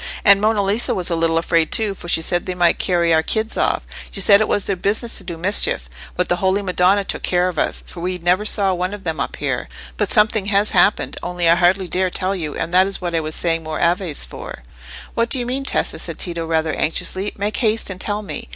And Monna Lisa was a little afraid too, for she said they might carry our kids off; she said it was their business to do mischief. But the Holy Madonna took care of us, for we never saw one of them up here. But something has happened, only I hardly dare tell you, and that is what I was saying more Aves for." "What do you mean, Tessa?" said Tito, rather anxiously. "Make haste and tell me."